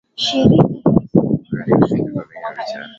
ya Magharibi Vituo vingine vya biashara ya watumwa kwenye